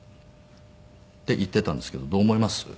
って言っていたんですけどどう思います？